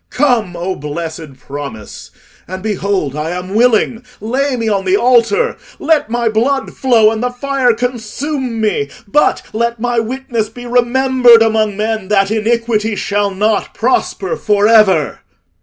Come, O blessed promise; and behold, I am willing—lay me on the altar: let my blood flow and the fire consume me; but let my witness be remembered among men, that iniquity shall not prosper for ever."